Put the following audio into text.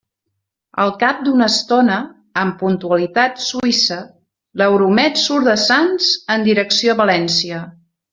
Al cap d'una estona, amb puntualitat suïssa, l'Euromed surt de Sants en direcció a València.